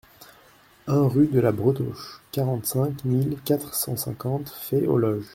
un rue de la Bretauche, quarante-cinq mille quatre cent cinquante Fay-aux-Loges